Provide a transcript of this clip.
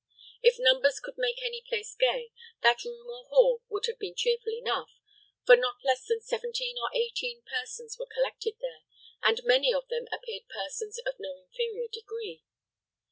If numbers could make any place gay, that room or hall would have been cheerful enough; for not less than seventeen or eighteen persons were collected there, and many of them appeared persons of no inferior degree.